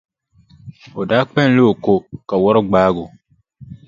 O daa kpalimla o ko, ka wari gbaagi o.